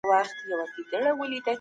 په اسلام کي د فکر کولو پوره آزادي سته.